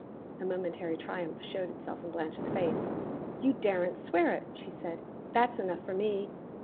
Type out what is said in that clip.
A momentary triumph showed itself in Blanche's face. "You daren't swear it!" she said. "That's enough for me!"